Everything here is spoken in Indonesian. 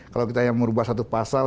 kalau kita yang merubah satu pasal